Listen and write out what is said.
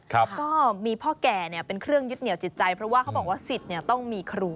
ก็มีพ่อแก่เป็นเครื่องยึดเหนียวจิตใจเพราะว่าเขาบอกว่าสิทธิ์ต้องมีครู